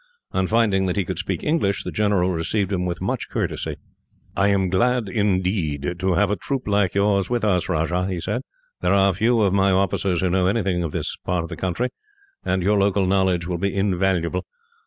On finding that he could speak English, the general received him with much courtesy. "I am glad, indeed, to have a troop like yours with us, Rajah," he said. "There are few of my officers who know anything of this part of the country, and your local knowledge will be invaluable.